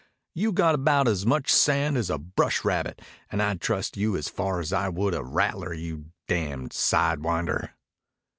"You got about as much sand as a brush rabbit and I'd trust you as far as I would a rattler, you damned sidewinder."